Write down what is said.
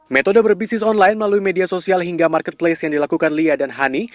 metode berbisnis online melalui media sosial hingga marketplace yang dilakukan lia dan hani